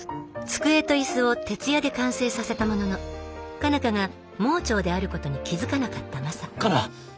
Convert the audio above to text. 机と椅子を徹夜で完成させたものの佳奈花が盲腸であることに気付かなかったマサカナ！